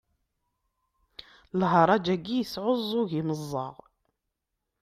Lharaǧ-agi yesɛuẓẓug imeẓaɣ.